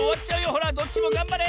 ほらどっちもがんばれ！